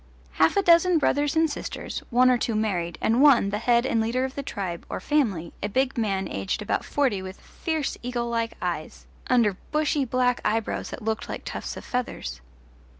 Half a dozen brothers and sisters, one or two married, and one, the head and leader of the tribe, or family, a big man aged about forty with fierce eagle like eyes under bushy black eyebrows that looked like tufts of feathers.